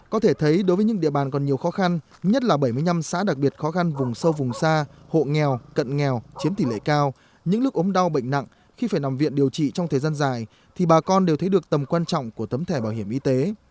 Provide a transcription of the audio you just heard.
có thể thấy đối với những địa bàn còn nhiều khó khăn nhất là bảy mươi năm xã đặc biệt khó khăn vùng sâu vùng xa hộ nghèo cận nghèo chiếm tỷ lệ cao những lúc ốm đau bệnh nặng khi phải nằm viện điều trị trong thời gian dài thì bà con đều thấy được tầm quan trọng của tấm thẻ bảo hiểm y tế